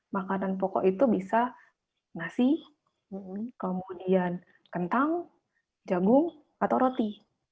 makanan pokok itu bisa nasi kemudian kentang jagung atau roti